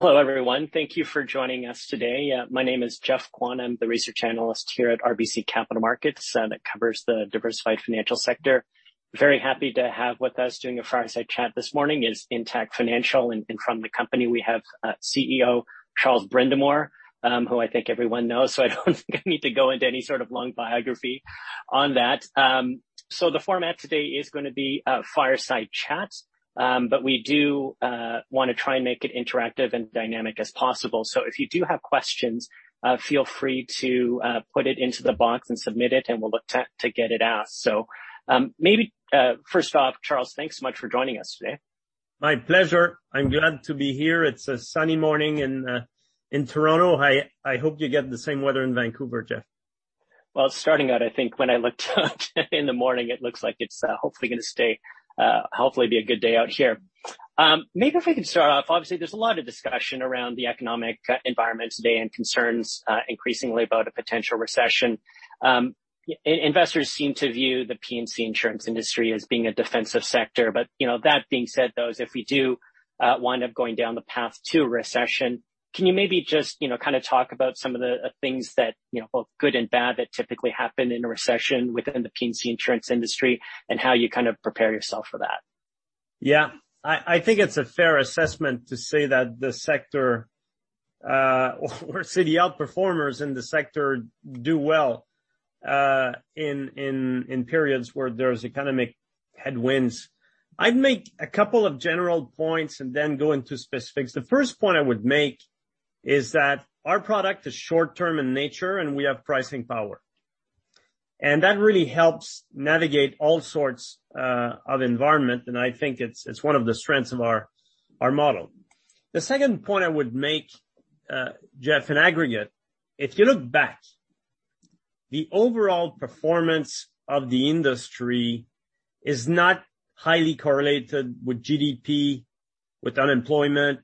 Hello, everyone. Thank you for joining us today. My name is Geoff Kwan. I'm the research analyst here at RBC Capital Markets, that covers the diversified financial sector. Very happy to have with us doing a fireside chat this morning is Intact Financial. From the company, we have CEO Charles Brindamour, who I think everyone knows. I don't think I need to go into any sort of long biography on that. The format today is gonna be a fireside chat, but we do wanna try and make it interactive and dynamic as possible. If you do have questions, feel free to put it into the box and submit it, and we'll look to get it out. Maybe, first off, Charles, thanks so much for joining us today. My pleasure. I'm glad to be here. It's a sunny morning in Toronto. I hope you get the same weather in Vancouver, Geoff. Well, starting out, I think when I looked out in the morning, it looks like it's hopefully gonna stay hopefully be a good day out here. Maybe if we can start off, obviously, there's a lot of discussion around the economic environment today and concerns increasingly about a potential recession. Investors seem to view the P&C insurance industry as being a defensive sector. You know, that being said, though, if we do wind up going down the path to a recession, can you maybe just, you know, kinda talk about some of the things that, you know, both good and bad, that typically happen in a recession within the P&C insurance industry, and how you kind of prepare yourself for that? Yeah. I think it's a fair assessment to say that the sector, or city outperformers in the sector do well, in periods where there's economic headwinds. I'd make a couple of general points and then go into specifics. The first point I would make is that our product is short term in nature, and we have pricing power. That really helps navigate all sorts of environment, and I think it's one of the strengths of our model. The second point I would make, Geoff, in aggregate, if you look back, the overall performance of the industry is not highly correlated with GDP, with unemployment,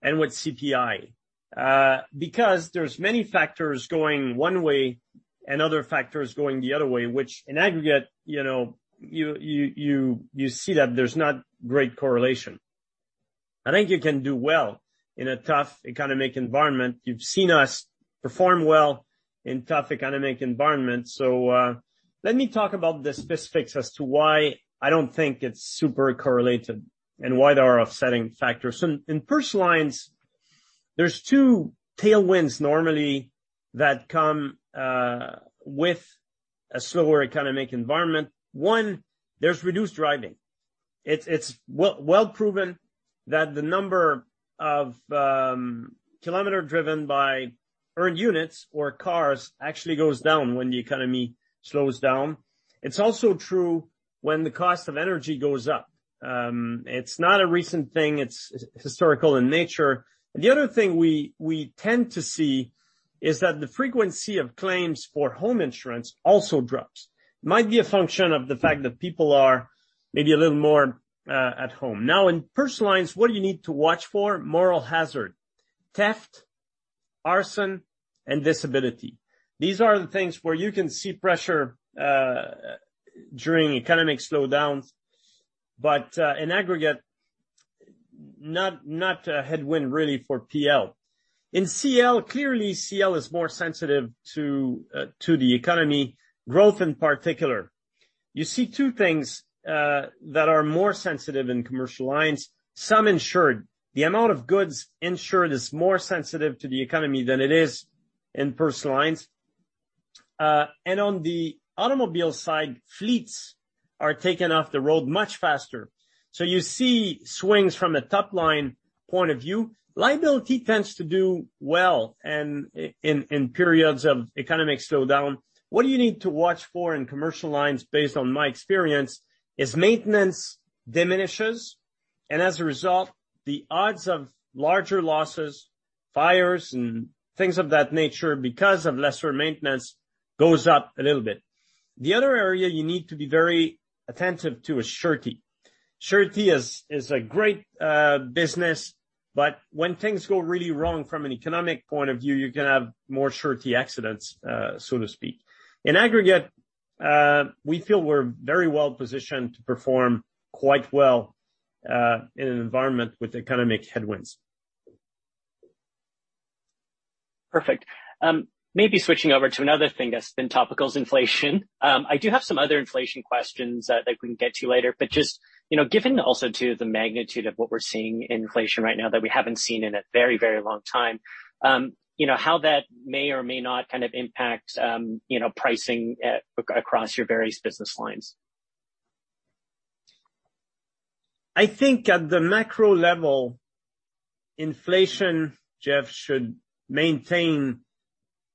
and with CPI. Because there's many factors going one way and other factors going the other way, which in aggregate, you know, you see that there's not great correlation. I think you can do well in a tough economic environment. You've seen us perform well in tough economic environments. Let me talk about the specifics as to why I don't think it's super correlated and why there are offsetting factors. In personal lines, there's two tailwinds normally that come with a slower economic environment. One, there's reduced driving. It's well proven that the number of kilometer driven by earned units or cars actually goes down when the economy slows down. It's also true when the cost of energy goes up. It's not a recent thing. It's historical in nature. The other thing we tend to see is that the frequency of claims for home insurance also drops. Might be a function of the fact that people are maybe a little more at home. In personal lines, what do you need to watch for? Moral hazard, theft, arson, and disability. These are the things where you can see pressure during economic slowdowns, but in aggregate, not a headwind, really, for PL. CL, clearly, CL is more sensitive to the economy, growth in particular. You see two things that are more sensitive in commercial lines. Sum insured. The amount of goods insured is more sensitive to the economy than it is in personal lines. On the automobile side, fleets are taken off the road much faster. You see swings from a top-line point of view. Liability tends to do well in periods of economic slowdown. What do you need to watch for in commercial lines, based on my experience, is maintenance diminishes, and as a result, the odds of larger losses, fires and things of that nature, because of lesser maintenance, goes up a little bit. The other area you need to be very attentive to is surety. Surety is a great business, but when things go really wrong from an economic point of view, you're gonna have more surety accidents, so to speak. In aggregate, we feel we're very well positioned to perform quite well in an environment with economic headwinds. Perfect. Maybe switching over to another thing that's been topical is inflation. I do have some other inflation questions that we can get to later, but just, you know, given also, too, the magnitude of what we're seeing in inflation right now that we haven't seen in a very, very long time, you know, how that may or may not kind of impact, you know, pricing across your various business lines? I think at the macro level, inflation, Geoff, should maintain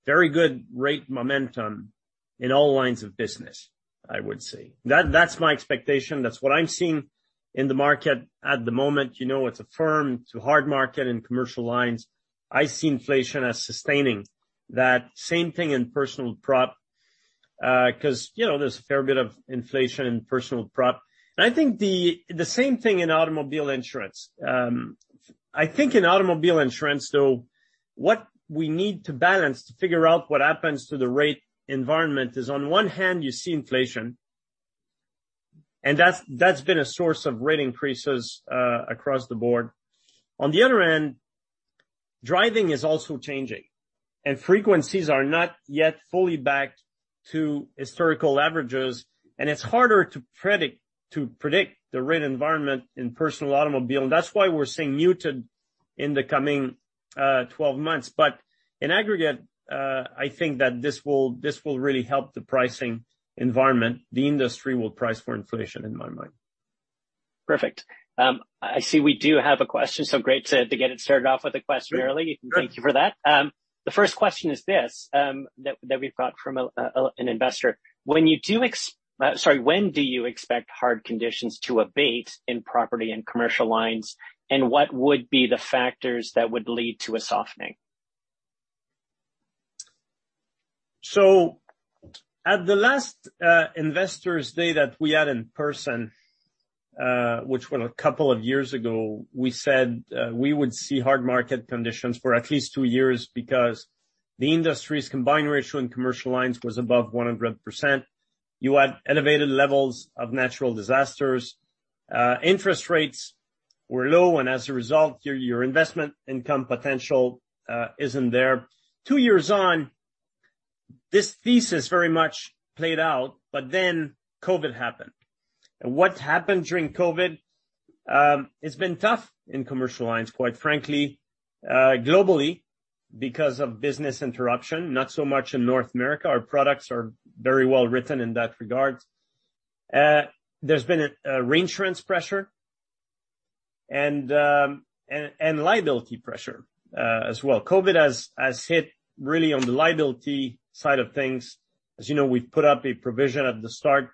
very good rate momentum in all lines of business, I would say. That's my expectation. That's what I'm seeing in the market at the moment. You know, it's a firm to hard market in commercial lines. I see inflation as sustaining. That same thing in personal prop, because, you know, there's a fair bit of inflation in personal prop. I think the same thing in automobile insurance. I think in automobile insurance, though, what we need to balance to figure out what happens to the rate environment is, on one hand, you see inflation. That's been a source of rate increases, across the board. On the other end, driving is also changing, and frequencies are not yet fully back to historical averages, and it's harder to predict the rate environment in personal automobile. That's why we're seeing muted in the coming 12 months. In aggregate, I think that this will really help the pricing environment. The industry will price for inflation, in my mind. Perfect. I see we do have a question, so great to get it started off with a question early. Sure. Thank you for that. The first question is this, that we've got from an investor: When do you expect hard conditions to abate in property and commercial lines, and what would be the factors that would lead to a softening? At the last investor's day that we had in person, which was a couple of years ago, we said we would see hard market conditions for at least two years because the industry's combined ratio in commercial lines was above 100%. You had elevated levels of natural disasters, interest rates were low, and as a result, your investment income potential isn't there. Two years on, this thesis very much played out, COVID happened. What happened during COVID, it's been tough in commercial lines, quite frankly, globally, because of business interruption, not so much in North America. Our products are very well-written in that regard. There's been a reinsurance pressure and liability pressure as well. COVID has hit really on the liability side of things. As you know, we've put up a provision at the start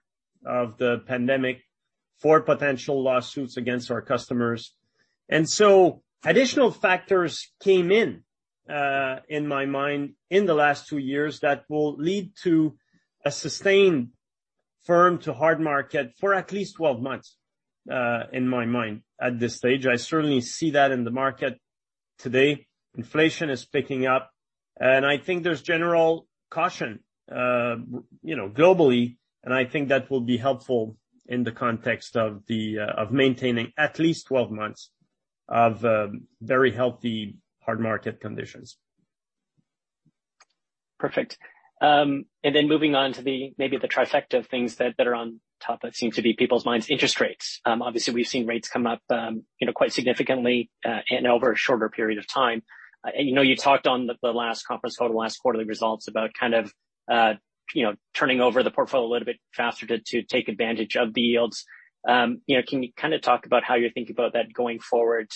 of the pandemic for potential lawsuits against our customers. additional factors came in my mind, in the last two years, that will lead to a sustained firm to hard market for at least 12 months, in my mind, at this stage. I certainly see that in the market today. Inflation is picking up, and I think there's general caution, you know, globally, and I think that will be helpful in the context of the, of maintaining at least 12 months of, very healthy, hard market conditions. Perfect. Then moving on to the, maybe the trifecta of things that are on top, that seem to be people's minds, interest rates. Obviously, we've seen rates come up, you know, quite significantly, and over a shorter period of time. You know, you talked on the last conference call, the last quarterly results, about kind of, you know, turning over the portfolio a little bit faster to take advantage of the yields. You know, can you kinda talk about how you're thinking about that going forward,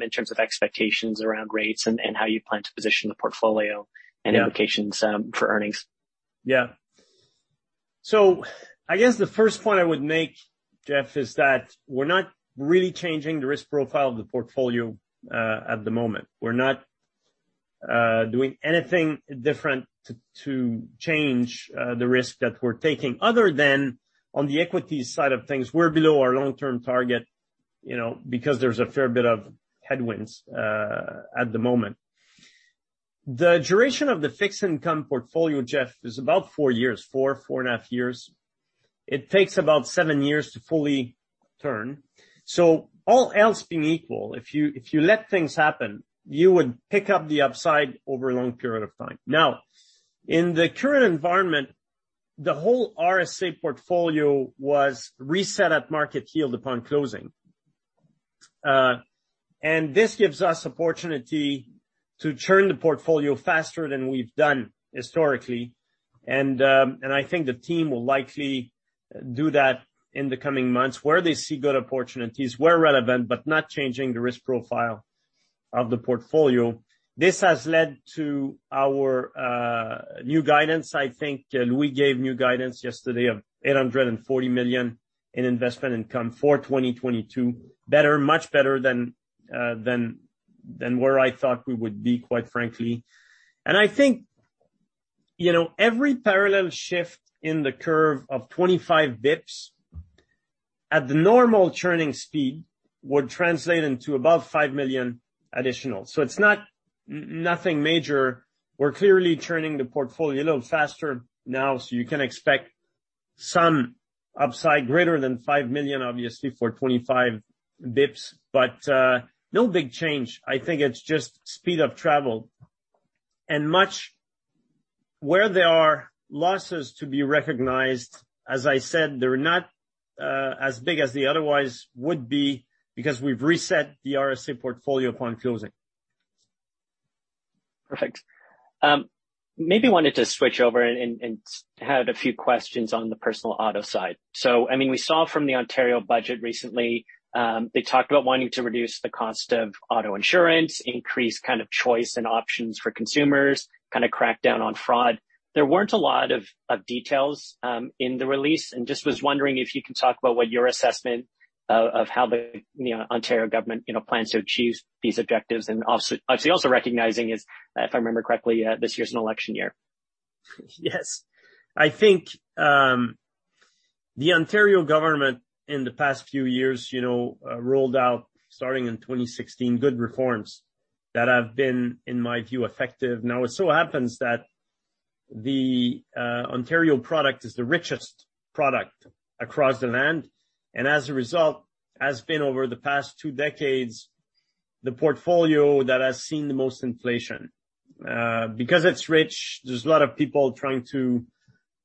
in terms of expectations around rates and how you plan to position the portfolio- Yeah. implications, for earnings? Yeah. I guess the first point I would make, Geoff, is that we're not really changing the risk profile of the portfolio at the moment. We're not doing anything different to change the risk that we're taking, other than on the equity side of things, we're below our long-term target, you know, because there's a fair bit of headwinds at the moment. The duration of the fixed income portfolio, Geoff, is about four years, four and a half years. It takes about seven years to fully turn. All else being equal, if you let things happen, you would pick up the upside over a long period of time. Now, in the current environment, the whole RSA portfolio was reset at market yield upon closing. This gives us opportunity to turn the portfolio faster than we've done historically, I think the team will likely do that in the coming months where they see good opportunities, where relevant, but not changing the risk profile of the portfolio. This has led to our new guidance. I think Louis gave new guidance yesterday of $840 million in investment income for 2022. Better, much better than where I thought we would be, quite frankly. I think, you know, every parallel shift in the curve of 25 basis points at the normal churning speed would translate into above $5 million additional. It's not nothing major. We're clearly churning the portfolio a little faster now, so you can expect some upside greater than $5 million, obviously, for 25 basis points, but no big change. I think it's just speed of travel. Where there are losses to be recognized, as I said, they're not, as big as they otherwise would be because we've reset the RSA portfolio upon closing. Perfect. Maybe wanted to switch over and had a few questions on the personal auto side. I mean, we saw from the Ontario budget recently, they talked about wanting to reduce the cost of auto insurance, increase kinda choice and options for consumers, kinda crack down on fraud. There weren't a lot of details in the release, just was wondering if you could talk about what your assessment of how the, you know, Ontario government, you know, plans to achieve these objectives, and also obviously also recognizing is, if I remember correctly, this year is an election year. Yes. I think the Ontario government in the past few years rolled out, starting in 2016, good reforms that have been, in my view, effective. It so happens that the Ontario product is the richest product across the land, and as a result, has been over the past two decades, the portfolio that has seen the most inflation. Because it's rich, there's a lot of people trying to,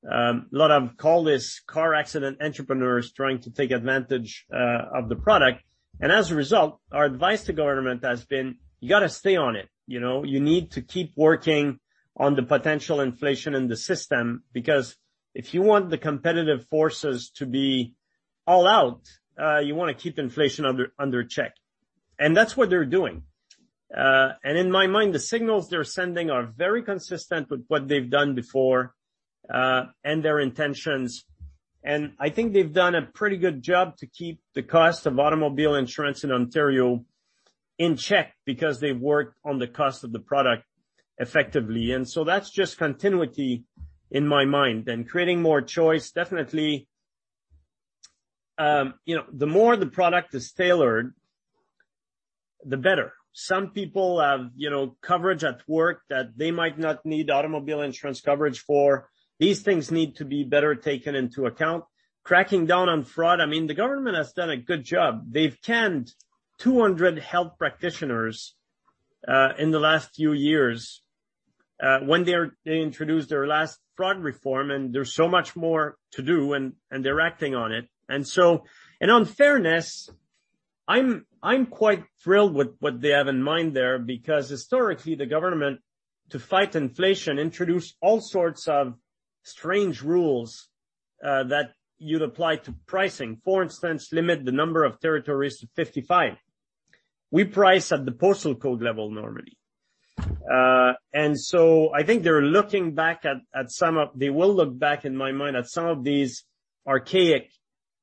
a lot of, call this car accident entrepreneurs trying to take advantage of the product. As a result, our advice to government has been, you gotta stay on it. You need to keep working on the potential inflation in the system, because if you want the competitive forces to be all out, you want to keep inflation under check. That's what they're doing. In my mind, the signals they're sending are very consistent with what they've done before, and their intentions. I think they've done a pretty good job to keep the cost of automobile insurance in Ontario in check, because they've worked on the cost of the product effectively. That's just continuity in my mind, and creating more choice, definitely. You know, the more the product is tailored, the better. Some people have, you know, coverage at work that they might not need automobile insurance coverage for. These things need to be better taken into account. Cracking down on fraud, I mean, the government has done a good job. They've canned 200 health practitioners in the last few years, when they introduced their last fraud reform, there's so much more to do, and they're acting on it. On fairness, I'm quite thrilled with what they have in mind there, because historically, the government, to fight inflation, introduced all sorts of strange rules that you'd apply to pricing. For instance, limit the number of territories to 55. We price at the postal code level normally. I think they will look back, in my mind, at some of these archaic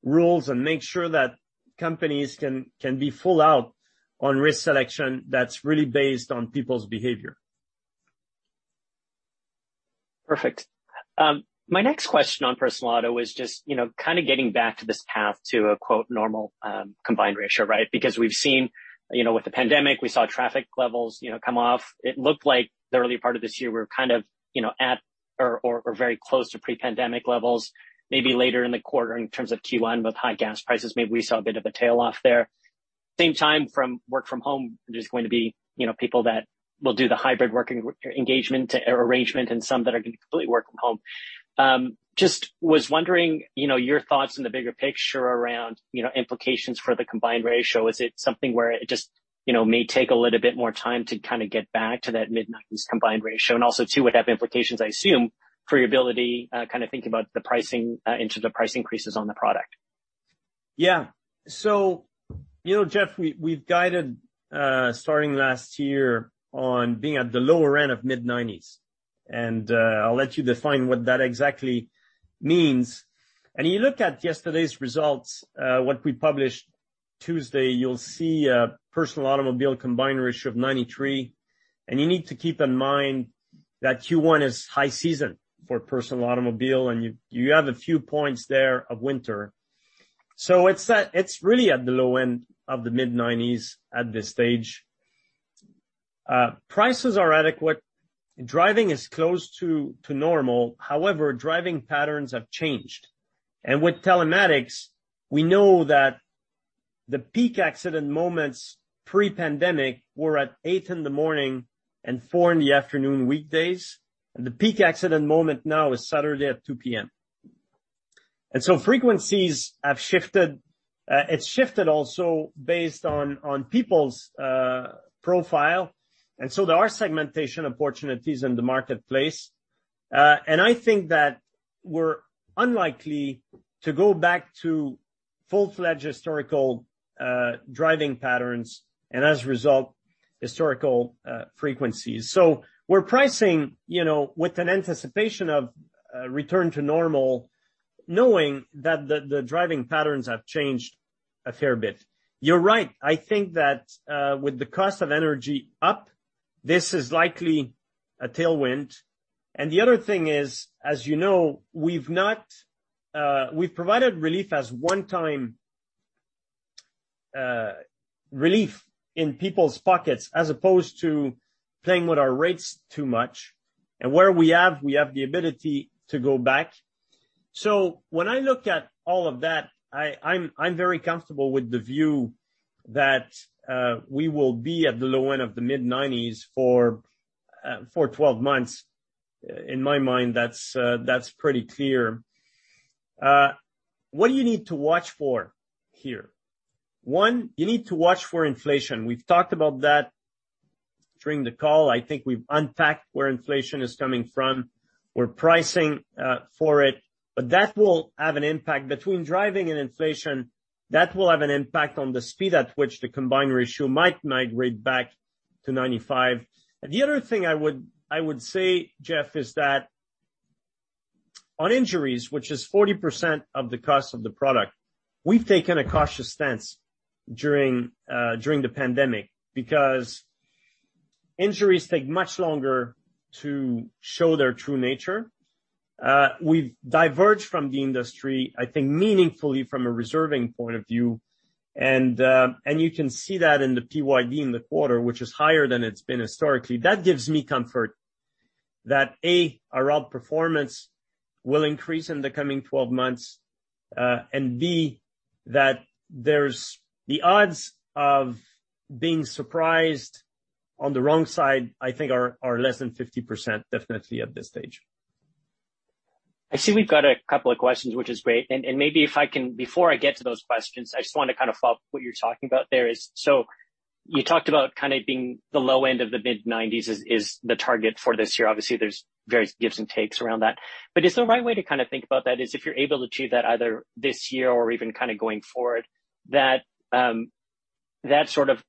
rules and make sure that companies can be full out on risk selection that's really based on people's behavior. Perfect. My next question on personal auto is just, you know, kind of getting back to this path to a, quote, "normal," combined ratio, right? We've seen, you know, with the pandemic, we saw traffic levels, you know, come off. It looked like the early part of this year, we're kind of, you know, at or very close to pre-pandemic levels, maybe later in the quarter in terms of Q1, with high gas prices, maybe we saw a bit of a tail off there. Same time, from work from home, there's going to be, you know, people that will do the hybrid working engagement or arrangement, and some that are going to completely work from home. Just was wondering, you know, your thoughts in the bigger picture around, you know, implications for the combined ratio. Is it something where it just, you know, may take a little bit more time to kind of get back to that mid-nineties combined ratio? Also, too, would have implications, I assume, for your ability, kind of thinking about the pricing, into the price increases on the product. Yeah. You know, Geoff, we've guided, starting last year, on being at the lower end of mid-nineties. I'll let you define what that exactly means. You look at yesterday's results, what we published Tuesday, you'll see a personal automobile combined ratio of 93. You need to keep in mind that Q1 is high season for personal automobile, and you have a few points there of winter. It's really at the low end of the mid-nineties at this stage. Prices are adequate, driving is close to normal. However, driving patterns have changed. With telematics, we know that the peak accident moments pre-pandemic were at 8:00 A.M. and 4:00 P.M., weekdays. The peak accident moment now is Saturday at 2:00 P.M. Frequencies have shifted. It's shifted also based on people's profile. There are segmentation opportunities in the marketplace. I think that we're unlikely to go back to full-fledged historical driving patterns, and as a result, historical frequencies. We're pricing, you know, with an anticipation of return to normal, knowing that the driving patterns have changed a fair bit. You're right, I think that, with the cost of energy up, this is likely a tailwind. The other thing is, as you know, we've not, we've provided relief as one time relief in people's pockets, as opposed to playing with our rates too much. Where we have, we have the ability to go back. When I look at all of that, I'm very comfortable with the view that we will be at the low end of the mid-90s for 12 months. In my mind, that's pretty clear. What do you need to watch for here? One, you need to watch for inflation. We've talked about that during the call. I think we've unpacked where inflation is coming from. We're pricing for it, but that will have an impact. Between driving and inflation, that will have an impact on the speed at which the combined ratio might migrate back to 95. The other thing I would say, Geoff, is that on injuries, which is 40% of the cost of the product, we've taken a cautious stance during the pandemic, because injuries take much longer to show their true nature.... We've diverged from the industry, I think, meaningfully from a reserving point of view. You can see that in the PYD in the quarter, which is higher than it's been historically. That gives me comfort that, A, our outperformance will increase in the coming 12 months, and B, that there's the odds of being surprised on the wrong side, I think, are less than 50%, definitely at this stage. I see we've got a couple of questions, which is great. Maybe if I can, before I get to those questions, I just want to kind of follow up what you're talking about there is so you talked about kind of being the low end of the mid-90s is the target for this year. Obviously, there's various gives and takes around that. Is the right way to kind of think about that is if you're able to achieve that either this year or even kind of going forward, that sort of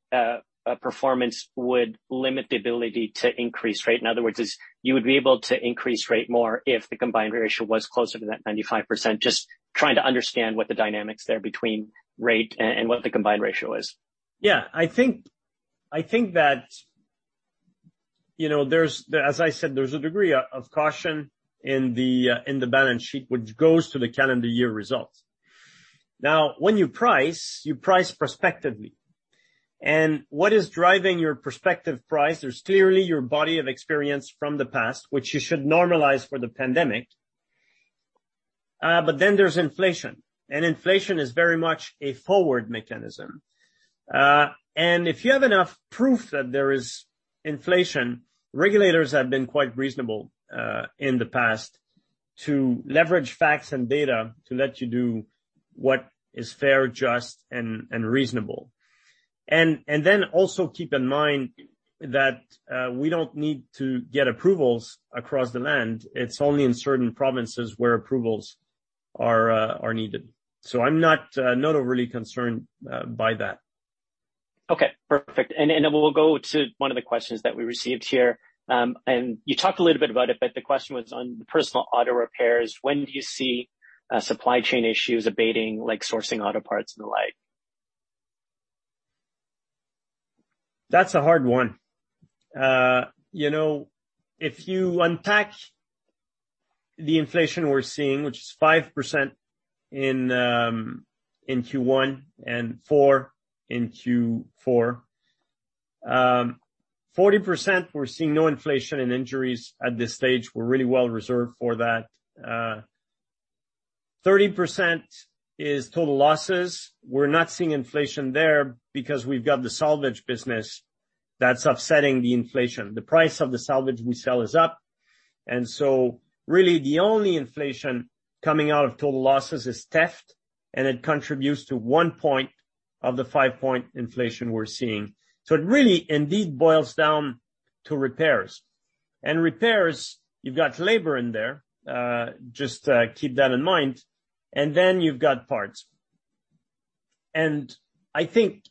performance would limit the ability to increase rate. In other words, you would be able to increase rate more if the combined ratio was closer to that 95%. Just trying to understand what the dynamics there between rate and what the combined ratio is. I think that, you know, there's, as I said, a degree of caution in the balance sheet, which goes to the calendar year results. When you price, you price prospectively, and what is driving your prospective price? There's clearly your body of experience from the past, which you should normalize for the pandemic. There's inflation, and inflation is very much a forward mechanism. If you have enough proof that there is inflation, regulators have been quite reasonable in the past to leverage facts and data to let you do what is fair, just, and reasonable. Also keep in mind that we don't need to get approvals across the land. It's only in certain provinces where approvals are needed. I'm not overly concerned by that. Okay, perfect. We'll go to one of the questions that we received here. You talked a little bit about it, but the question was on personal auto repairs. When do you see supply chain issues abating, like sourcing auto parts and the like? That's a hard one. you know, if you unpack the inflation we're seeing, which is 5% in Q1 and 4% in Q4, 40% we're seeing no inflation in injuries at this stage. We're really well reserved for that. 30% is total losses. We're not seeing inflation there because we've got the salvage business that's offsetting the inflation. The price of the salvage we sell is up. Really the only inflation coming out of total losses is theft, and it contributes to 1 point of the 5-point inflation we're seeing. It really indeed boils down to repairs. Repairs, you've got labor in there, just keep that in mind, and then you've got parts. I think,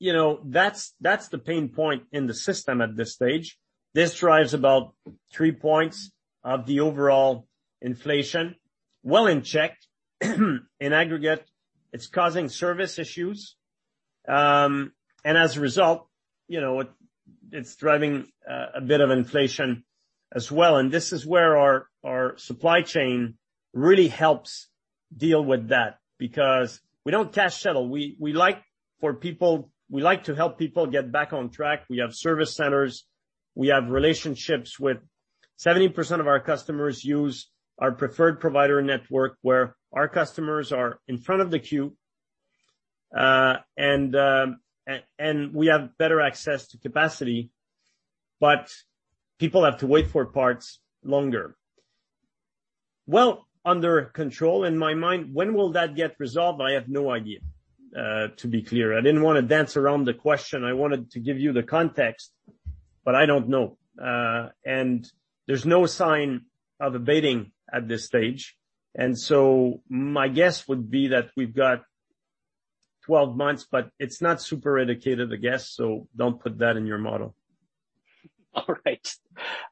you know, that's the pain point in the system at this stage. This drives about three points of the overall inflation, well in check. In aggregate, it's causing service issues, you know, it's driving a bit of inflation as well. This is where our supply chain really helps deal with that because we don't cash settle. We like to help people get back on track. We have service centers. 70% of our customers use our preferred provider network, where our customers are in front of the queue, and we have better access to capacity, but people have to wait for parts longer. Under control in my mind. When will that get resolved? I have no idea to be clear. I didn't want to dance around the question. I wanted to give you the context, but I don't know. There's no sign of abating at this stage, and so my guess would be that we've got 12 months, but it's not super indicated a guess, so don't put that in your model. All right.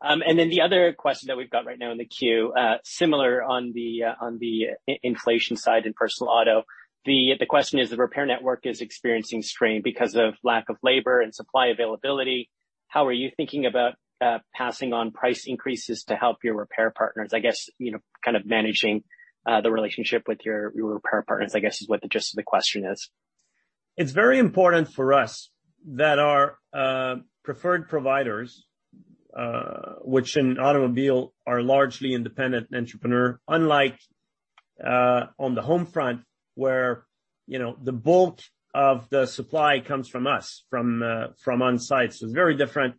Then the other question that we've got right now in the queue, similar on the inflation side in personal auto. The question is, the repair network is experiencing strain because of lack of labor and supply availability. How are you thinking about passing on price increases to help your repair partners? I guess, you know, kind of managing, the relationship with your repair partners, I guess, is what the gist of the question is. It's very important for us that our preferred providers, which in automobile are largely independent entrepreneur, unlike on the home front, where, you know, the bulk of the supply comes from us, from on-site. It's a very different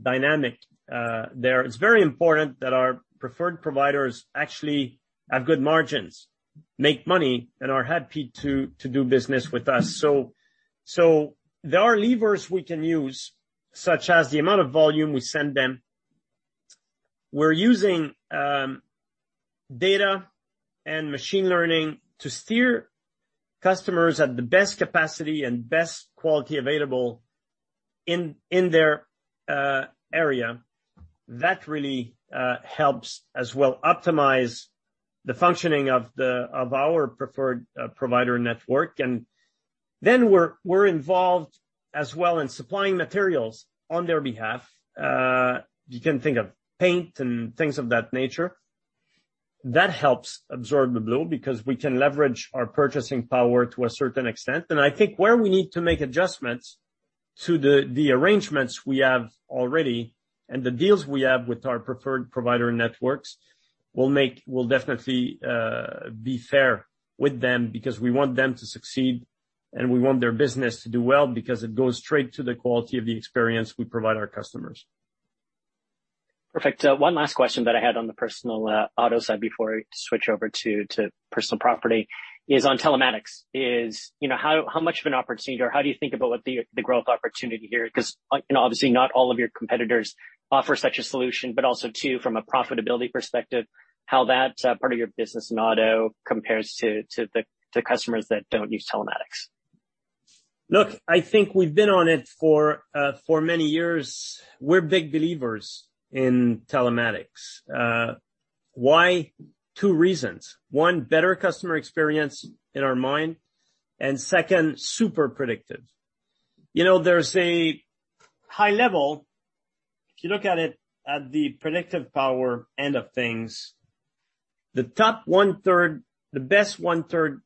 dynamic there. It's very important that our preferred providers actually have good margins, make money, and are happy to do business with us. There are levers we can use, such as the amount of volume we send them. We're using data and machine learning to steer customers at the best capacity and best quality available in their area. That really helps as well optimize the functioning of our preferred provider network. We're involved as well in supplying materials on their behalf. You can think of paint and things of that nature. That helps absorb the blow, because we can leverage our purchasing power to a certain extent. I think where we need to make adjustments to the arrangements we have already and the deals we have with our preferred provider networks, we'll definitely be fair with them, because we want them to succeed, and we want their business to do well, because it goes straight to the quality of the experience we provide our customers. Perfect. One last question that I had on the personal auto side before I switch over to personal property, is on telematics, you know, how much of an opportunity, or how do you think about what the growth opportunity here? You know, obviously, not all of your competitors offer such a solution, but also, too, from a profitability perspective, how that part of your business in auto compares to the customers that don't use telematics. Look, I think we've been on it for many years. We're big believers in telematics. Why? Two reasons. One, better customer experience in our mind, and second, super predictive. You know, there's a high level, if you look at it, at the predictive power end of things, the top one third, the best one third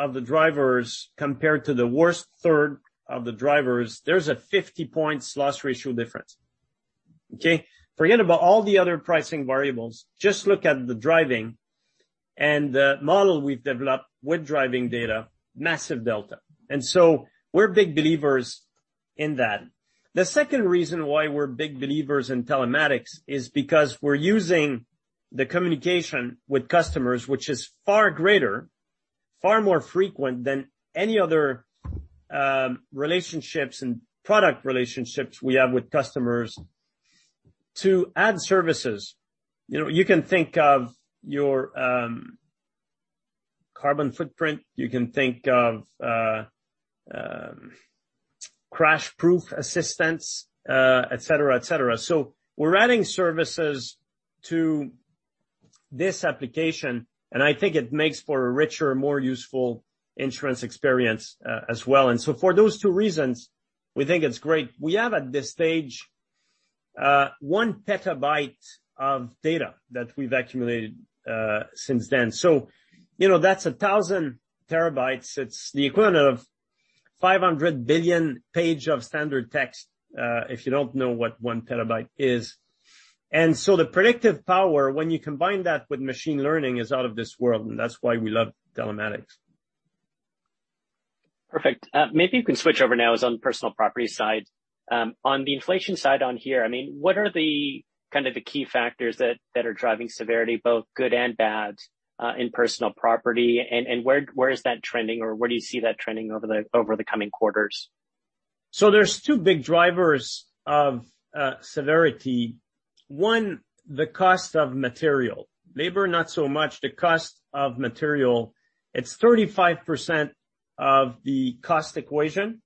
of the drivers, compared to the worst third of the drivers, there's a 50-point loss ratio difference. Okay? Forget about all the other pricing variables. Just look at the driving and the model we've developed with driving data, massive delta. We're big believers in that. The second reason why we're big believers in telematics is because we're using the communication with customers, which is far greater, far more frequent than any other relationships and product relationships we have with customers to add services. You know, you can think of your carbon footprint, you can think of crash proof assistance, et cetera, et cetera. We're adding services to this application, and I think it makes for a richer, more useful insurance experience as well. For those two reasons, we think it's great. We have, at this stage, 1 PB of data that we've accumulated since then. You know, that's 1,000 TB. It's the equivalent of 500 billion page of standard text, if you don't know what 1 PB is. The predictive power, when you combine that with machine learning, is out of this world, and that's why we love telematics. Perfect. maybe you can switch over now is on personal property side. on the inflation side on here, I mean, what are the kind of the key factors that are driving severity, both good and bad, in personal property? Where is that trending, or where do you see that trending over the, over the coming quarters? There's two big drivers of severity. One, the cost of material. Labor, not so much. The cost of material, it's 35% of the cost equation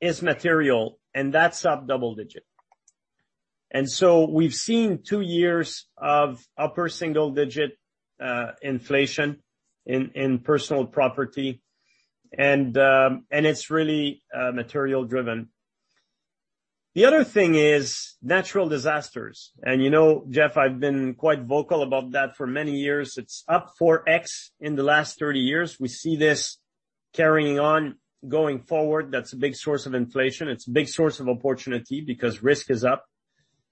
is material, and that's up double digit. We've seen two years of upper single-digit inflation in personal property, and it's really material driven. The other thing is natural disasters. You know, Geoff, I've been quite vocal about that for many years. It's up 4x in the last 30 years. We see this carrying on going forward. That's a big source of inflation. It's a big source of opportunity because risk is up,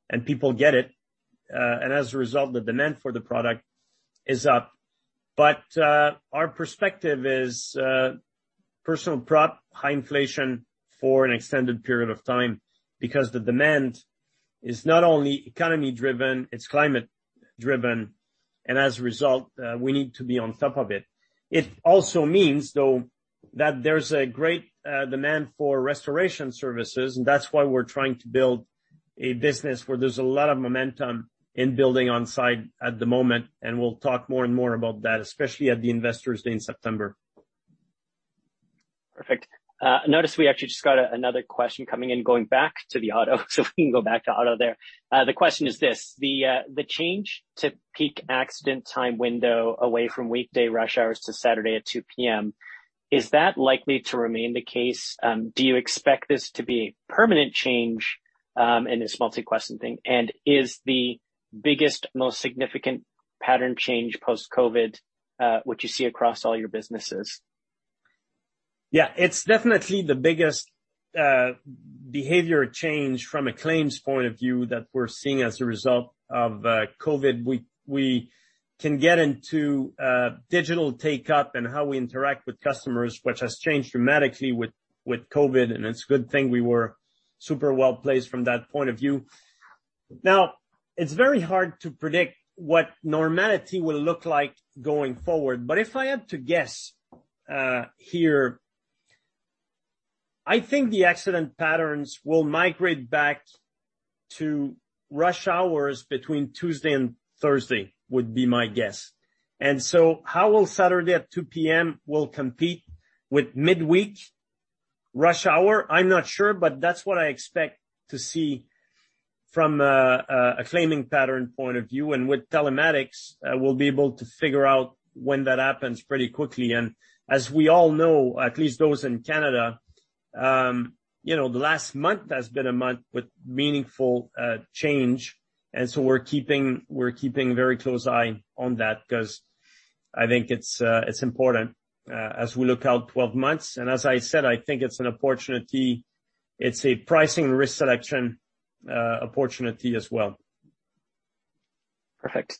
and people get it. As a result, the demand for the product is up. Our perspective is, personal prop, high inflation for an extended period of time, because the demand is not only economy driven, it's climate driven, and as a result, we need to be on top of it. It also means, though, that there's a great demand for restoration services, and that's why we're trying to build a business where there's a lot of momentum in building on-site at the moment, and we'll talk more and more about that, especially at the Investor Day in September. Perfect. Notice we actually just got another question coming in, going back to the auto, so we can go back to auto there. The question is this: the change to peak accident time window away from weekday rush hours to Saturday at 2:00 P.M., is that likely to remain the case? Do you expect this to be a permanent change, and it's a multi-question thing, and is the biggest, most significant pattern change post-COVID, what you see across all your businesses? Yeah, it's definitely the biggest behavior change from a claims point of view that we're seeing as a result of COVID. We can get into digital take-up and how we interact with customers, which has changed dramatically with COVID, and it's a good thing we were super well-placed from that point of view. Now, it's very hard to predict what normality will look like going forward, but if I had to guess here, I think the accident patterns will migrate back to rush hours between Tuesday and Thursday, would be my guess. How will Saturday at 2:00 P.M. will compete with midweek rush hour? I'm not sure, but that's what I expect to see, from a claiming pattern point of view, and with telematics, we'll be able to figure out when that happens pretty quickly. As we all know, at least those in Canada, you know, the last month has been a month with meaningful change, so we're keeping a very close eye on that, 'cause I think it's important, as we look out 12 months. As I said, I think it's an opportunity. It's a pricing risk selection, opportunity as well. Perfect.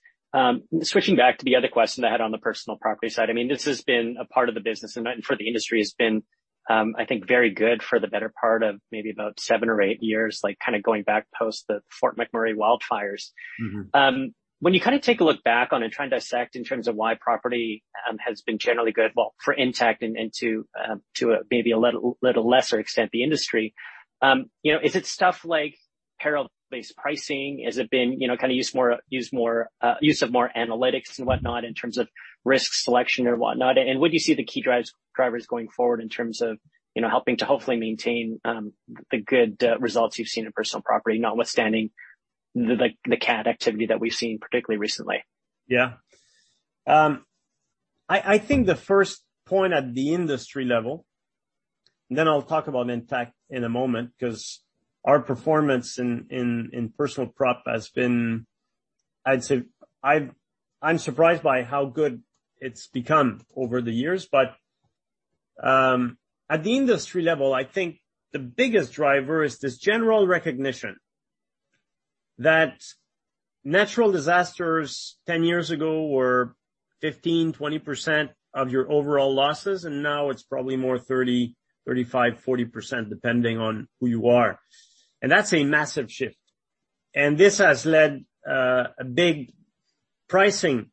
Switching back to the other question I had on the personal property side. I mean, this has been a part of the business, and for the industry, it's been, I think, very good for the better part of maybe about seven or eight years, like, kind of going back post the Fort McMurray wildfires. Mm-hmm. When you kind of take a look back on and try and dissect in terms of why property has been generally good, well, for Intact and to a little lesser extent, the industry. You know, is it stuff like perils-based pricing? Has it been, you know, kind of use more use of more analytics and whatnot, in terms of risk selection or whatnot? And what do you see the key drivers going forward in terms of, you know, helping to hopefully maintain the good results you've seen in personal property, notwithstanding the cat activity that we've seen, particularly recently? Yeah. I think the first point at the industry level, then I'll talk about Intact in a moment, 'cause our performance in personal prop has been. I'd say, I'm surprised by how good it's become over the years, but at the industry level, I think the biggest driver is this general recognition that natural disasters 10 years ago were 15%-20% of your overall losses, and now it's probably more 30%, 35%, 40%, depending on who you are. That's a massive shift. This has led a big pricing,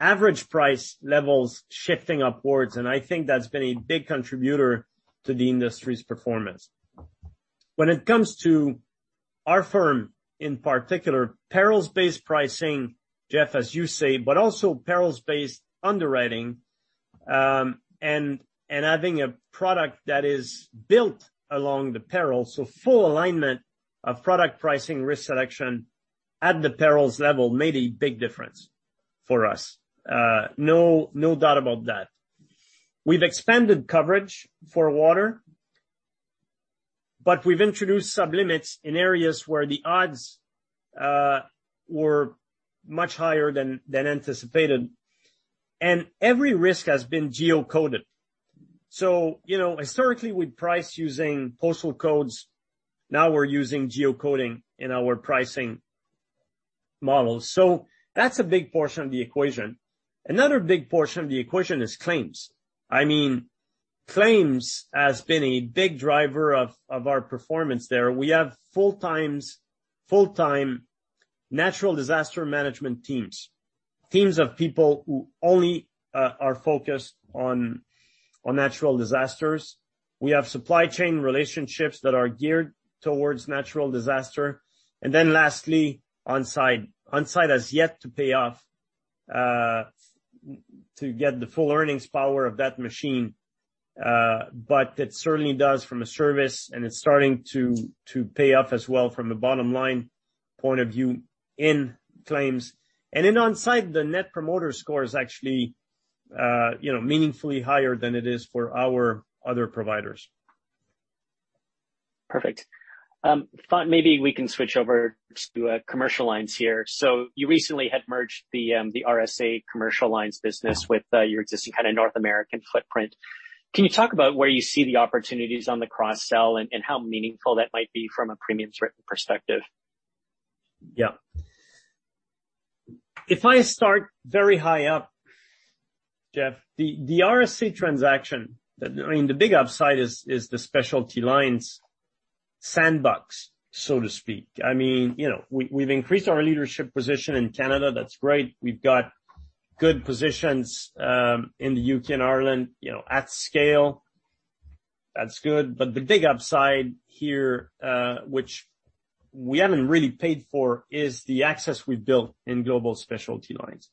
average price levels shifting upwards, I think that's been a big contributor to the industry's performance. When it comes to our firm, in particular, perils-based pricing, Geoff, as you say, but also perils-based underwriting. I think a product that is built along the peril, so full alignment of product pricing, risk selection at the perils level made a big difference for us. No doubt about that. We've expanded coverage for water, but we've introduced sub-limits in areas where the odds were much higher than anticipated, and every risk has been geocoded. You know, historically, we'd price using postal codes. Now we're using geocoding in our pricing models. That's a big portion of the equation. Another big portion of the equation is claims. I mean, claims has been a big driver of our performance there. We have full-time natural disaster management teams. Teams of people who only are focused on natural disasters. We have supply chain relationships that are geared towards natural disaster. Lastly, OneBeacon. OneBeacon has yet to pay off, to get the full earnings power of that machine, but it certainly does from a service, and it's starting to pay off as well from a bottom-line point of view in claims. In OneBeacon, the net promoter score is actually, you know, meaningfully higher than it is for our other providers. Perfect. Thought maybe we can switch over to commercial lines here. You recently had merged the RSA commercial lines business with your existing kind of North American footprint. Can you talk about where you see the opportunities on the cross-sell and how meaningful that might be from a premiums written perspective? If I start very high up, Geoff, the RSA transaction, I mean, the big upside is the specialty lines sandbox, so to speak. I mean, you know, we've increased our leadership position in Canada. That's great. We've got good positions in the U.K. and Ireland, you know, at scale. That's good. The big upside here, which we haven't really paid for, is the access we've built in global specialty lines.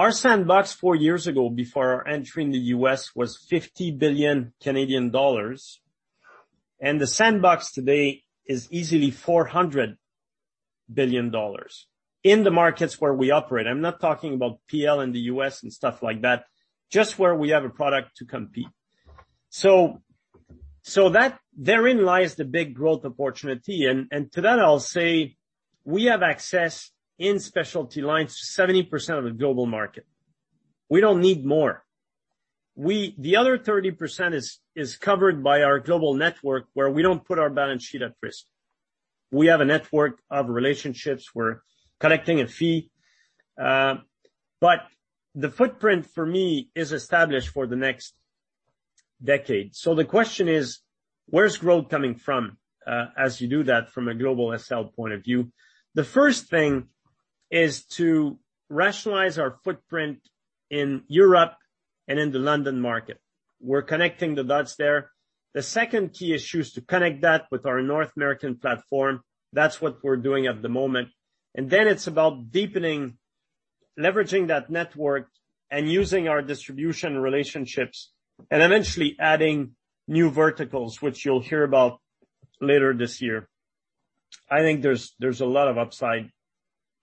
Our sandbox four years ago, before our entry in the U.S., was 50 billion Canadian dollars, and the sandbox today is easily 400 billion dollars in the markets where we operate. I'm not talking about PL in the U.S. and stuff like that, just where we have a product to compete. That, therein lies the big growth opportunity. To that, I'll say we have access in specialty lines, 70% of the global market. We don't need more. The other 30% is covered by our global network, where we don't put our balance sheet at risk. We have a network of relationships. We're collecting a fee. The footprint for me is established for the next decade. The question is: Where is growth coming from, as you do that from a global SL point of view? The first thing is to rationalize our footprint in Europe and in the London market. We're connecting the dots there. The second key issue is to connect that with our North American platform. That's what we're doing at the moment. Then it's about deepening. leveraging that network and using our distribution relationships and eventually adding new verticals, which you'll hear about later this year. I think there's a lot of upside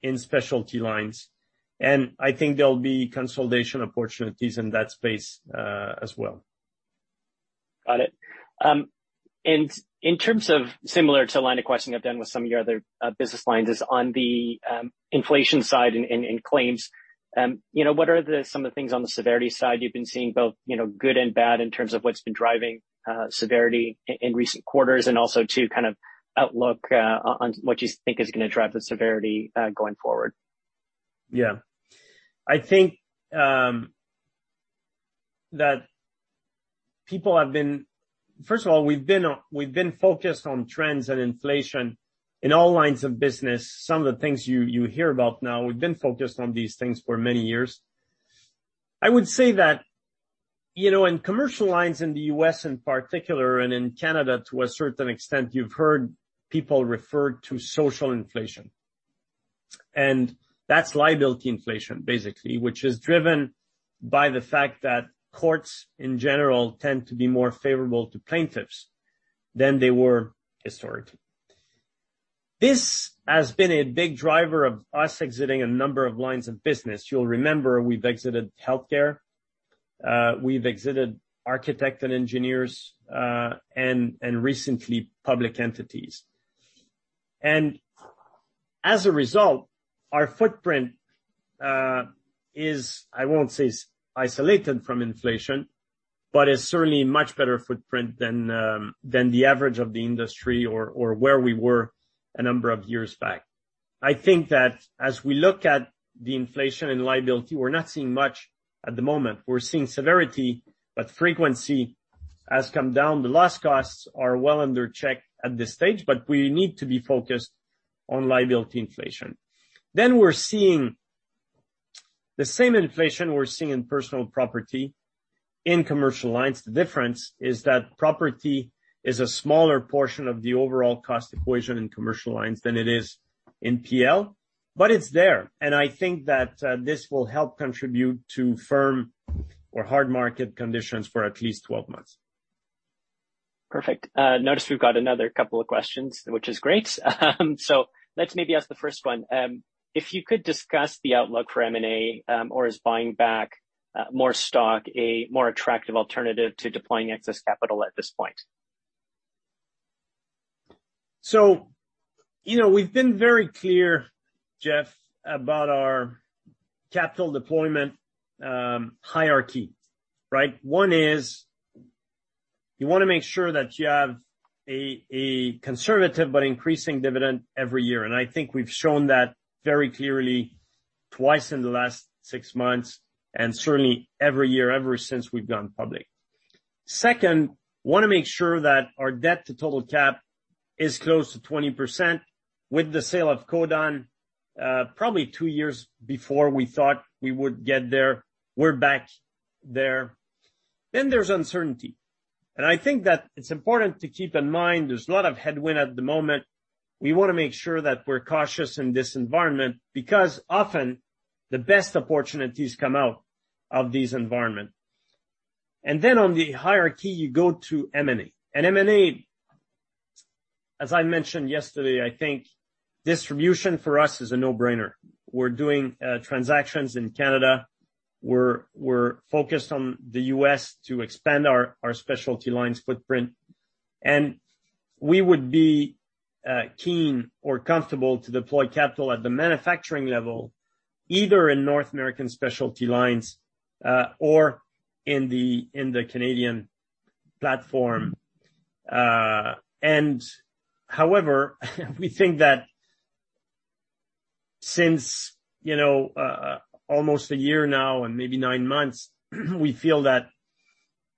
in specialty lines, and I think there'll be consolidation opportunities in that space as well. Got it. In terms of similar to the line of questioning I've done with some of your other business lines, is on the inflation side and claims, you know, what are some of the things on the severity side you've been seeing, both, you know, good and bad, in terms of what's been driving severity in recent quarters, and also too, kind of outlook on what you think is gonna drive the severity going forward? I think First of all, we've been focused on trends and inflation in all lines of business. Some of the things you hear about now, we've been focused on these things for many years. I would say that, you know, in commercial lines, in the U.S. in particular, and in Canada to a certain extent, you've heard people refer to social inflation. That's liability inflation, basically, which is driven by the fact that courts, in general, tend to be more favorable to plaintiffs than they were historically. This has been a big driver of us exiting a number of lines of business. You'll remember, we've exited healthcare, we've exited architect and engineers, and recently, public entities. As a result, our footprint is, I won't say isolated from inflation, but is certainly a much better footprint than the average of the industry or where we were a number of years back. I think that as we look at the inflation and liability, we're not seeing much at the moment. We're seeing severity, but frequency has come down. The loss costs are well under check at this stage, but we need to be focused on liability inflation. We're seeing the same inflation we're seeing in personal property in commercial lines. The difference is that property is a smaller portion of the overall cost equation in commercial lines than it is in PL, but it's there. I think that this will help contribute to firm or hard market conditions for at least 12 months. Perfect. Notice we've got another couple of questions, which is great. Let's maybe ask the first one. If you could discuss the outlook for M&A, or is buying back more stock a more attractive alternative to deploying excess capital at this point? You know, we've been very clear, Geoff, about our capital deployment hierarchy, right? One is, you wanna make sure that you have a conservative but increasing dividend every year, and I think we've shown that very clearly twice in the last six months, and certainly every year ever since we've gone public. Second, wanna make sure that our debt to total cap is close to 20%. With the sale of Codan, probably two years before we thought we would get there, we're back there. There's uncertainty, and I think that it's important to keep in mind there's a lot of headwind at the moment. We wanna make sure that we're cautious in this environment, because often the best opportunities come out of these environment. On the hierarchy, you go to M&A. M&A, as I mentioned yesterday, I think distribution for us is a no-brainer. We're doing transactions in Canada. We're focused on the U.S. to expand our specialty lines footprint. We would be keen or comfortable to deploy capital at the manufacturing level, either in North American specialty lines or in the Canadian platform. However, we think that since, you know, almost a year now and maybe nine months, we feel that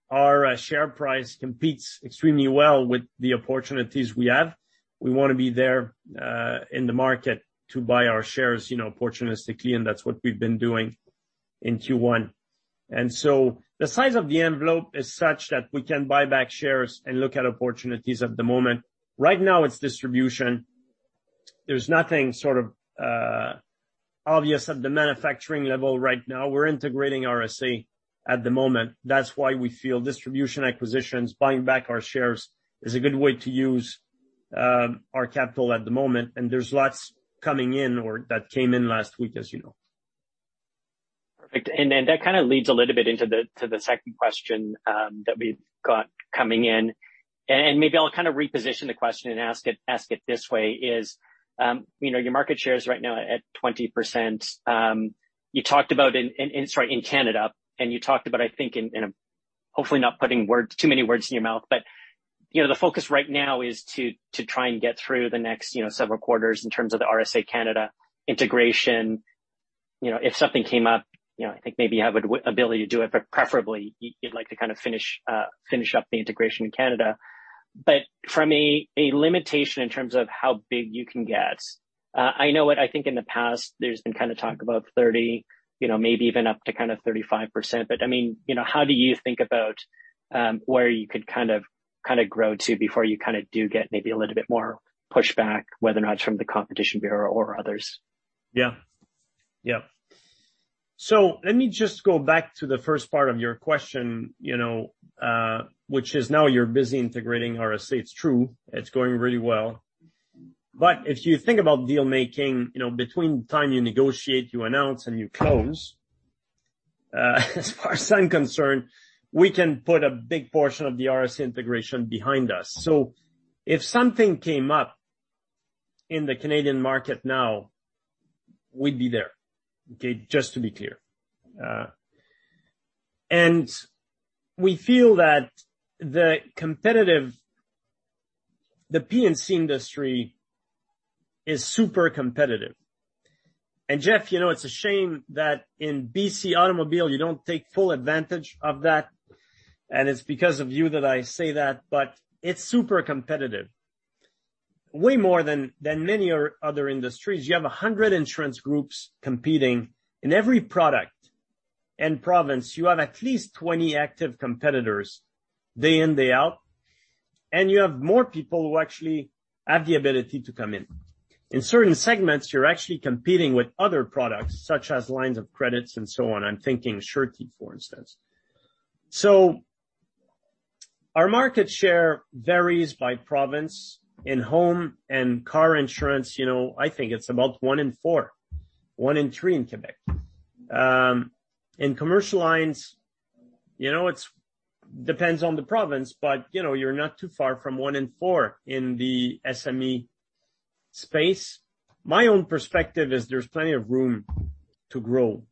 our share price competes extremely well with the opportunities we have. We wanna be there in the market to buy our shares, you know, opportunistically, and that's what we've been doing in Q1. The size of the envelope is such that we can buy back shares and look at opportunities at the moment. Right now, it's distribution. There's nothing sort of, obvious at the manufacturing level right now. We're integrating RSA at the moment. That's why we feel distribution acquisitions, buying back our shares, is a good way to use, our capital at the moment, and there's lots coming in or that came in last week, as you know. Perfect. That kind of leads a little bit into the second question that we've got coming in. Maybe I'll kind of reposition the question and ask it this way, is, you know, your market share is right now at 20%. You talked about in Canada, and you talked about, I think, in a, hopefully not putting words, too many words in your mouth, but, you know, the focus right now is to try and get through the next, you know, several quarters in terms of the RSA Canada integration. You know, if something came up, you know, I think maybe you have an ability to do it, but preferably you'd like to kind of finish up the integration in Canada. From a limitation in terms of how big you can get, I know what, I think in the past, there's been kind of talk about 30, you know, maybe even up to kind of 35%. I mean, you know, how do you think about where you could kind of grow to before you kind of do get maybe a little bit more pushback, whether or not it's from the Competition Bureau or others? Yeah. Yeah. Let me just go back to the first part of your question, you know, which is now you're busy integrating RSA. It's true, it's going really well. If you think about deal making, you know, between the time you negotiate, you announce, and you close, as far as I'm concerned, we can put a big portion of the RSA integration behind us. If something came up in the Canadian market now, we'd be there, okay? Just to be clear. We feel that the competitive, the P&C industry is super competitive. Geoff, you know, it's a shame that in BC Automobile, you don't take full advantage of that, and it's because of you that I say that, but it's super competitive. Way more than many other industries. You have 100 insurance groups competing in every product. In province, you have at least 20 active competitors, day in, day out. You have more people who actually have the ability to come in. In certain segments, you're actually competing with other products, such as lines of credits and so on. I'm thinking surety, for instance. Our market share varies by province. In home and car insurance, you know, I think it's about 1 in 4, 1 in 3 in Quebec. In commercial lines, you know, it's depends on the province, but, you know, you're not too far from 1 in 4 in the SME space. My own perspective is there's plenty of room to grow.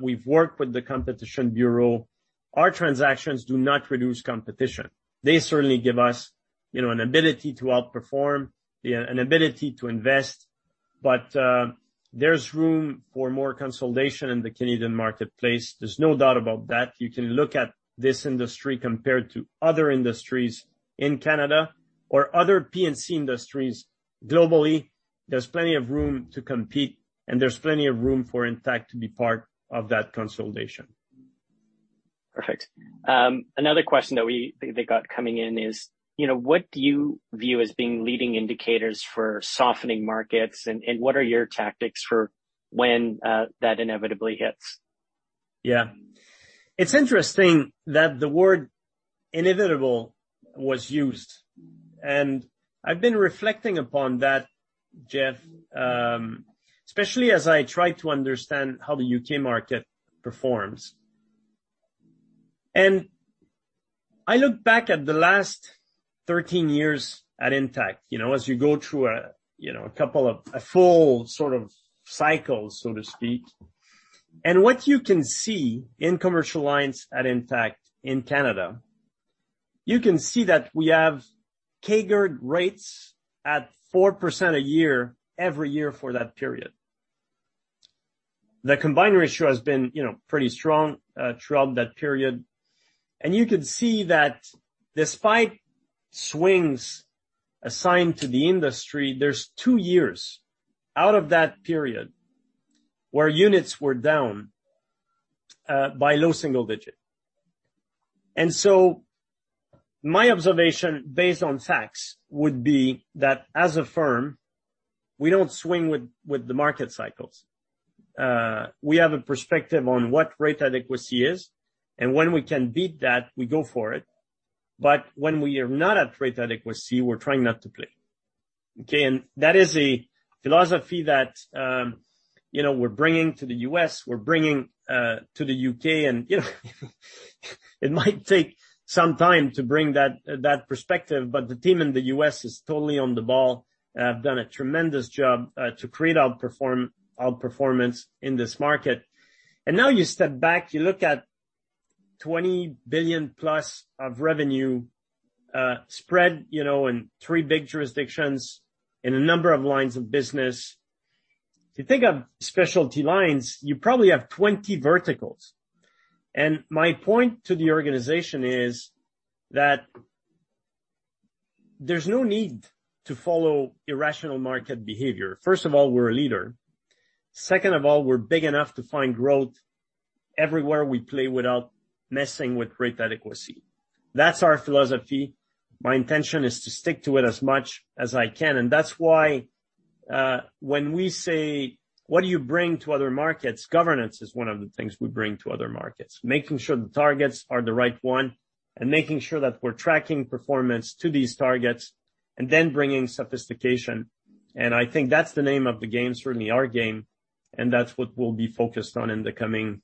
We've worked with the Competition Bureau. Our transactions do not reduce competition. They certainly give us, you know, an ability to outperform, an ability to invest, but there's room for more consolidation in the Canadian marketplace. There's no doubt about that. You can look at this industry compared to other industries in Canada or other P&C industries globally. There's plenty of room to compete, and there's plenty of room for Intact to be part of that consolidation. Perfect. Another question that got coming in is, you know, what do you view as being leading indicators for softening markets, and what are your tactics for when that inevitably hits? It's interesting that the word inevitable was used, I've been reflecting upon that, Geoff, especially as I try to understand how the U.K. market performs. I look back at the last 13 years at Intact, you know, as you go through a, you know, a couple of a full sort of cycle, so to speak. What you can see in commercial lines at Intact in Canada, you can see that we have CAGR rates at 4% a year, every year for that period. The combined ratio has been, you know, pretty strong throughout that period. You could see that despite swings assigned to the industry, there's two years out of that period where units were down by low single digit. My observation, based on facts, would be that as a firm, we don't swing with the market cycles. We have a perspective on what rate adequacy is, when we can beat that, we go for it. When we are not at rate adequacy, we're trying not to play. Okay, that is a philosophy that, you know, we're bringing to the U.S., we're bringing to the U.K., you know, it might take some time to bring that perspective, but the team in the U.S. is totally on the ball and have done a tremendous job to create, outperform, outperformance in this market. Now you step back, you look at 20 billion-plus of revenue, spread, you know, in three big jurisdictions in a number of lines of business. If you think of specialty lines, you probably have 20 verticals. My point to the organization is that there's no need to follow irrational market behavior. First of all, we're a leader. Second of all, we're big enough to find growth everywhere we play without messing with rate adequacy. That's our philosophy. My intention is to stick to it as much as I can, and that's why, when we say: What do you bring to other markets? Governance is one of the things we bring to other markets, making sure the targets are the right one, and making sure that we're tracking performance to these targets, and then bringing sophistication. I think that's the name of the game, certainly our game, and that's what we'll be focused on in the coming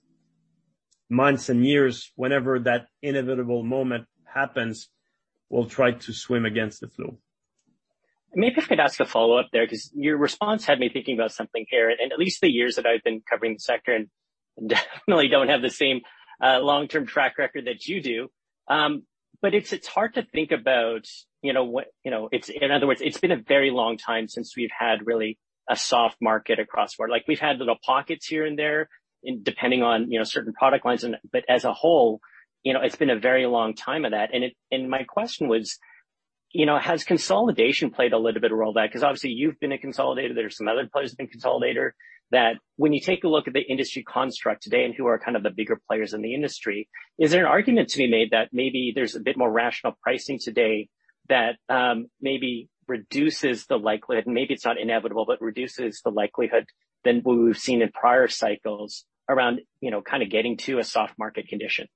months and years. Whenever that inevitable moment happens, we'll try to swim against the flow. Maybe if I could ask a follow-up there, because your response had me thinking about something here, and at least the years that I've been covering the sector and definitely don't have the same long-term track record that you do. But it's hard to think about, you know, what, you know, in other words, it's been a very long time since we've had really a soft market across the board. Like, we've had little pockets here and there, and depending on, you know, certain product lines, and, but as a whole, you know, it's been a very long time of that. My question was, you know, has consolidation played a little bit of role in that? Obviously, you've been a consolidator, there are some other players that have been consolidator, that when you take a look at the industry construct today and who are kind of the bigger players in the industry, is there an argument to be made that maybe there's a bit more rational pricing today that maybe reduces the likelihood, maybe it's not inevitable, but reduces the likelihood than what we've seen in prior cycles around, you know, kind of getting to a soft market condition?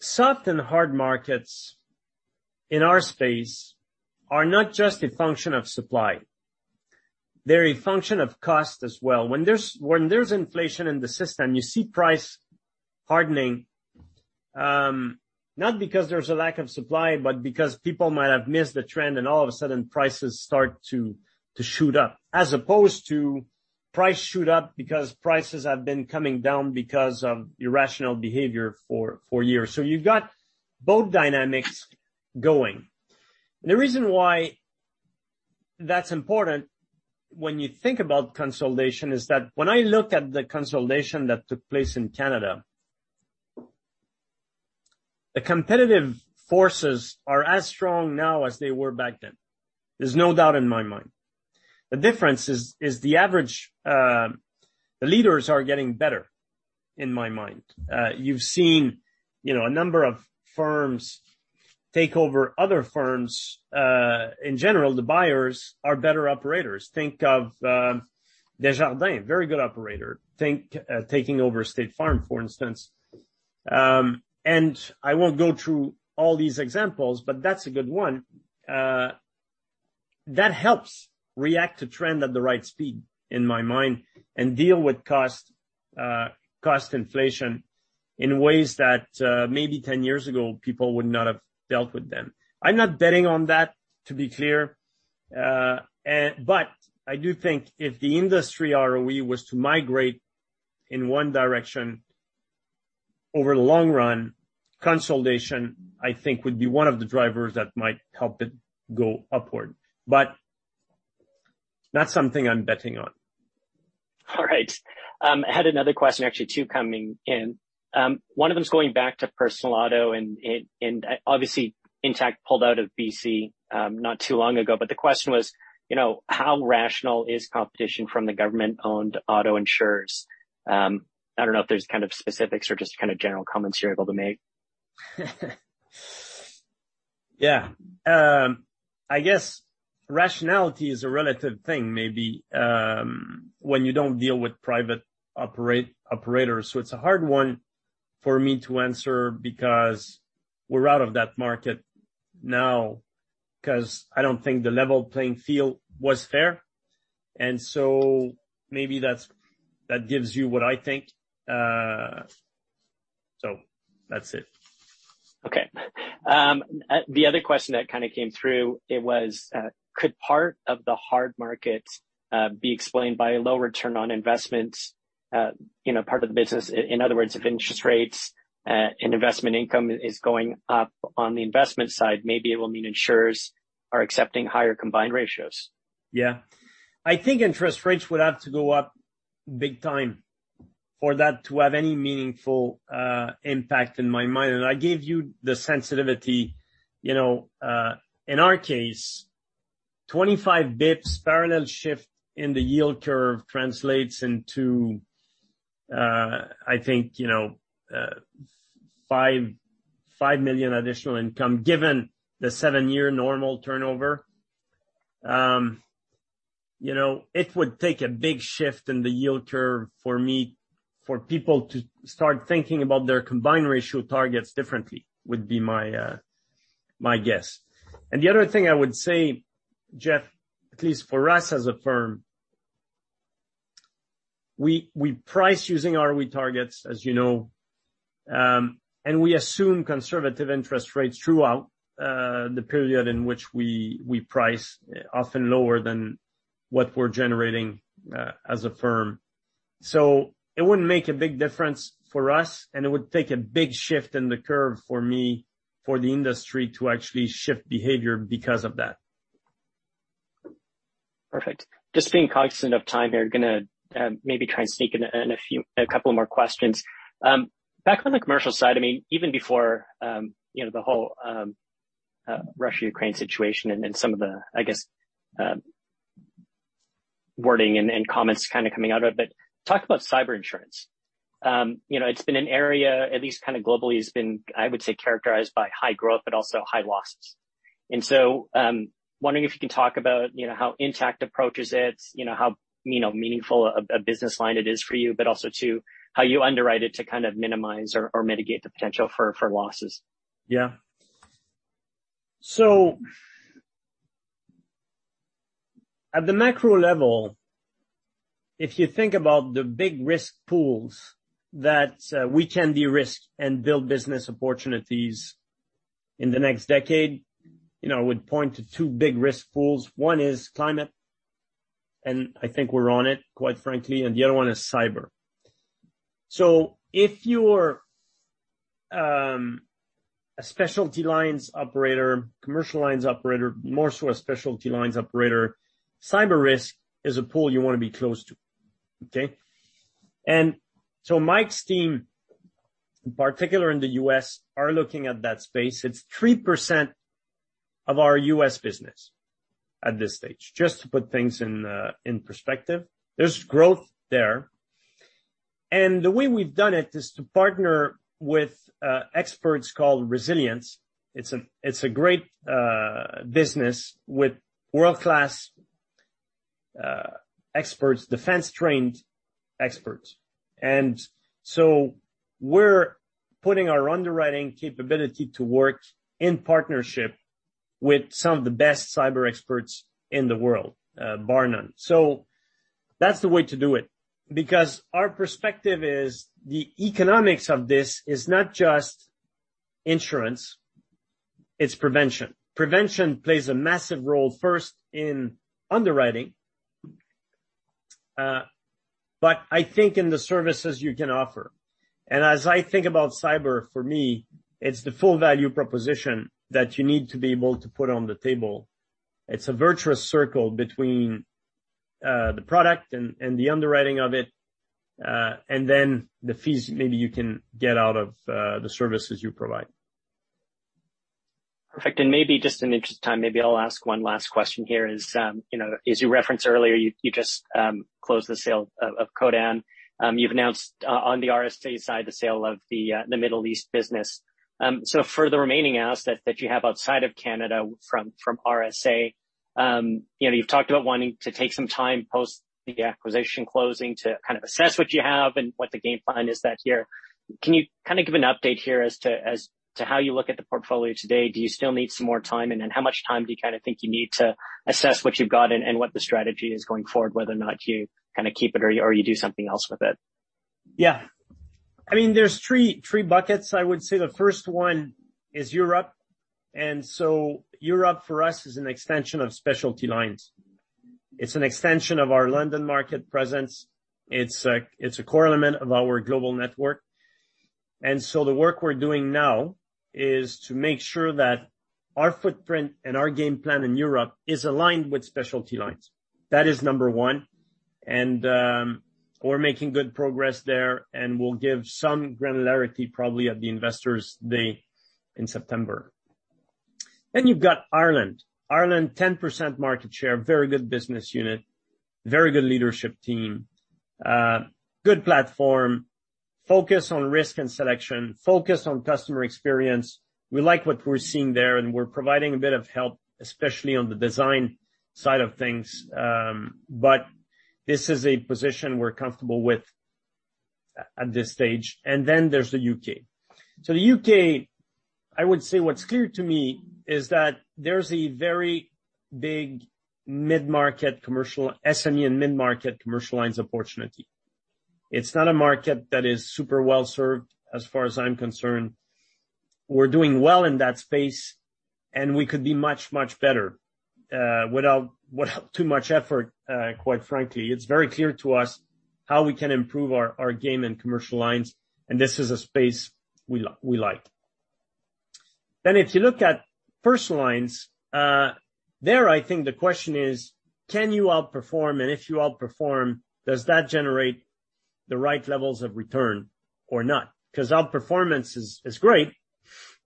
Soft and hard markets in our space are not just a function of supply. They're a function of cost as well. When there's inflation in the system, you see price hardening, not because there's a lack of supply, but because people might have missed the trend, and all of a sudden, prices start to shoot up, as opposed to price shoot up because prices have been coming down because of irrational behavior for years. You've got both dynamics going. The reason why that's important when you think about consolidation, is that when I look at the consolidation that took place in Canada, the competitive forces are as strong now as they were back then. There's no doubt in my mind. The difference is the average, the leaders are getting better, in my mind. You've seen, you know, a number of firms take over other firms. In general, the buyers are better operators. Think of Desjardins, very good operator, think taking over State Farm, for instance. I won't go through all these examples, but that's a good one. That helps react to trend at the right speed, in my mind, and deal with cost inflation in ways that, maybe 10 years ago, people would not have dealt with them. I'm not betting on that, to be clear, but I do think if the industry ROE was to migrate in one direction over the long run, consolidation, I think, would be one of the drivers that might help it go upward, but not something I'm betting on. All right. I had another question, actually, two coming in. One of them is going back to personal auto, and obviously, Intact pulled out of BC not too long ago. The question was, you know, how rational is competition from the government-owned auto insurers? I don't know if there's kind of specifics or just kind of general comments you're able to make. Yeah. I guess rationality is a relative thing, maybe, when you don't deal with private operators. It's a hard one for me to answer because we're out of that market now, 'cause I don't think the level playing field was fair. Maybe that's, that gives you what I think. That's it. Okay. The other question that kinda came through, it was, could part of the hard market, be explained by a low return on investment, you know, part of the business? In other words, if interest rates, and investment income is going up on the investment side, maybe it will mean insurers are accepting higher combined ratios. Yeah. I think interest rates would have to go up big time for that to have any meaningful impact in my mind. I gave you the sensitivity. You know, in our case, 25 basis points parallel shift in the yield curve translates into, I think, you know, 5 million additional income, given the seven-year normal turnover. You know, it would take a big shift in the yield curve for me, for people to start thinking about their combined ratio targets differently, would be my guess. The other thing I would say, Geoff, at least for us as a firm, we price using ROE targets, as you know, and we assume conservative interest rates throughout the period in which we price, often lower than what we're generating as a firm. It wouldn't make a big difference for us, and it would take a big shift in the curve for me, for the industry to actually shift behavior because of that. Perfect. Just being cognizant of time here, gonna maybe try and sneak in a few, a couple of more questions. Back on the commercial side, I mean, even before, you know, the whole Russia-Ukraine situation and some of the, I guess, wording and comments kinda coming out of it, but talk about cyber insurance. You know, it's been an area, at least kind of globally, has been, I would say, characterized by high growth, but also high losses. Wondering if you can talk about, you know, how Intact approaches it, you know, how, you know, meaningful a business line it is for you, but also, too, how you underwrite it to kind of minimize or mitigate the potential for losses. Yeah. At the macro level, if you think about the big risk pools that we can de-risk and build business opportunities in the next decade, you know, I would point to two big risk pools. One is climate, and I think we're on it, quite frankly, and the other one is cyber. If you're a specialty lines operator, commercial lines operator, more so a specialty lines operator, cyber risk is a pool you want to be close to. Okay? Mike's team, particular in the U.S., are looking at that space. It's 3% of our U.S. business at this stage, just to put things in perspective. There's growth there, and the way we've done it is to partner with experts called Resilience. It's a, it's a great business with world-class experts, defense-trained experts. We're putting our underwriting capability to work in partnership with some of the best cyber experts in the world, bar none. That's the way to do it, because our perspective is, the economics of this is not just insurance, it's prevention. Prevention plays a massive role, first, in underwriting, but I think in the services you can offer. As I think about cyber, for me, it's the full value proposition that you need to be able to put on the table. It's a virtuous circle between the product and the underwriting of it, and then the fees maybe you can get out of the services you provide. Perfect. Maybe just in the interest of time, maybe I'll ask one last question here is, you know, as you referenced earlier, you just closed the sale of Codan. You've announced on the RSA side, the sale of the Middle East business. For the remaining assets that you have outside of Canada from RSA, you know, you've talked about wanting to take some time post the acquisition closing to kind of assess what you have and what the game plan is that here. Can you kind of give an update here as to how you look at the portfolio today? Do you still need some more time, and then how much time do you kinda think you need to assess what you've got and what the strategy is going forward, whether or not you kind of keep it or you, or you do something else with it? Yeah. I mean, there's three buckets. I would say the first one is Europe. Europe, for us, is an extension of specialty lines. It's an extension of our London market presence. It's a core element of our global network. The work we're doing now is to make sure that our footprint and our game plan in Europe is aligned with specialty lines. That is number one. We're making good progress there, and we'll give some granularity probably at the investors day in September. You've got Ireland. Ireland, 10% market share, very good business unit, very good leadership team, good platform, focus on risk and selection, focus on customer experience. We like what we're seeing there, and we're providing a bit of help, especially on the design side of things, but this is a position we're comfortable with at this stage. Then there's the U.K. The U.K., I would say what's clear to me is that there's a very big mid-market commercial, SME and mid-market commercial lines opportunity. It's not a market that is super well-served, as far as I'm concerned. We're doing well in that space, and we could be much, much better without too much effort, quite frankly. It's very clear to us how we can improve our game in commercial lines, and this is a space we like. If you look at personal lines, there, I think the question is: Can you outperform? If you outperform, does that generate the right levels of return or not? Because outperformance is great,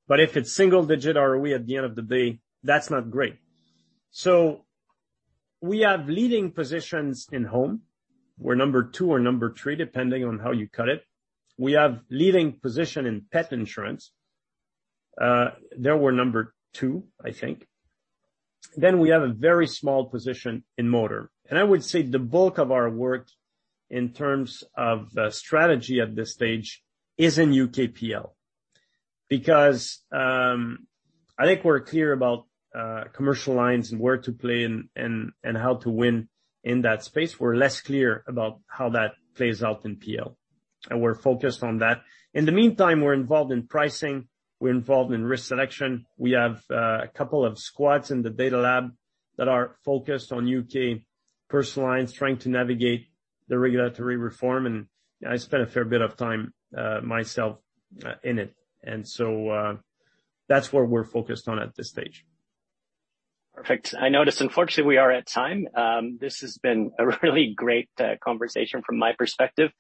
but if it's single-digit ROE at the end of the day, that's not great. We have leading positions in home. We're number two or number three, depending on how you cut it. We have leading position in pet insurance. There we're number two, I think. We have a very small position in motor. I would say the bulk of our work, in terms of the strategy at this stage, is in U.K. PL. Because I think we're clear about commercial lines and where to play and how to win in that space. We're less clear about how that plays out in PL, and we're focused on that. In the meantime, we're involved in pricing, we're involved in risk selection. We have a couple of squads in the Data Lab that are focused on U.K. personal lines, trying to navigate the regulatory reform, and I spent a fair bit of time myself in it. That's where we're focused on at this stage. Perfect. I notice, unfortunately, we are at time. This has been a really great conversation from my perspective.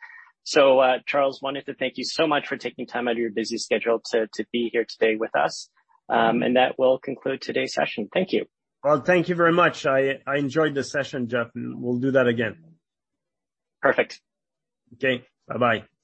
Charles, wanted to thank you so much for taking time out of your busy schedule to be here today with us. That will conclude today's session. Thank you. Well, thank you very much. I enjoyed the session, Geoff, and we'll do that again. Perfect. Okay. Bye-bye. Bye.